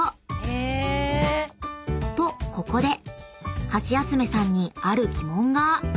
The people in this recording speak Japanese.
［とここでハシヤスメさんにある疑問が］